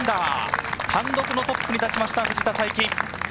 単独トップに立ちました、藤田さいき。